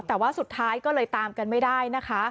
แต่ว่าสุดท้ายก็เลยตามกันไม่ได้นะคะ